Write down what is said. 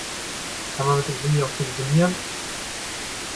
Kann man mit dem Handy auch telefonieren?